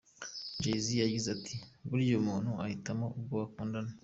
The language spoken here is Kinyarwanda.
Jay-Z yagize ati: “Burya umuntu ahitamo uwo bakundana.